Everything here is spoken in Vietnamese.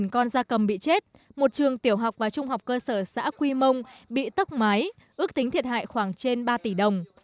một con da cầm bị chết một trường tiểu học và trung học cơ sở xã quy mông bị tốc mái ước tính thiệt hại khoảng trên ba tỷ đồng